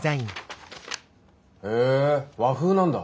へえ和風なんだ。